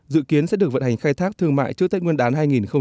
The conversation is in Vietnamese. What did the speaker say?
được vận hành khai thác thương mại trước tết nguyên đán hai nghìn một mươi chín